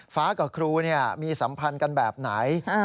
ฟ้ากับครูมีสัมพันธ์กันแบบไหน